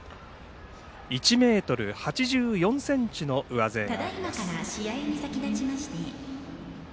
１ｍ８４ｃｍの上背があります。